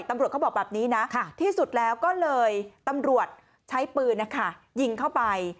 ตำรวจเขาบอกแบบนี้นะที่สุดแล้วก็เลยตำรวจใช้ปืนยิงเข้าไป